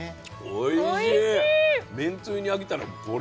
おいしい！